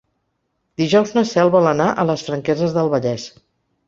Dijous na Cel vol anar a les Franqueses del Vallès.